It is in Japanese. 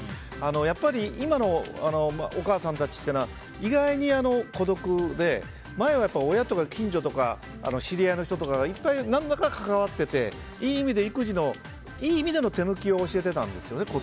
やっぱり今のお母さんたちというのは意外に孤独で前は親とか近所とか知り合いの人とかがいっぱい何らか関わってていい意味で育児のいい意味での手抜き、コツを教えてたんですよね。